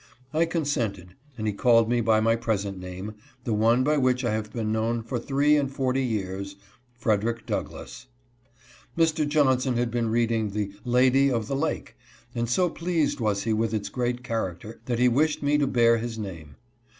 I consented, and he called me by my present name, — the one by which I have been known for three and forty years, — Frederick Douglass. Mr. Johnson had just been reading the " Lady of the Lake," and so pleased was he with its great char acter that he wished me to bear his name.